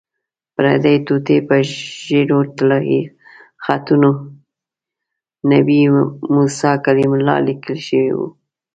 پردې ټوټې په ژېړو طلایي خطونو 'نبي موسی کلیم الله' لیکل شوي وو.